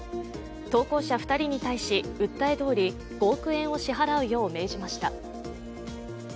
投稿者２人に対し、訴えどおり５億円を支払うよう命じました。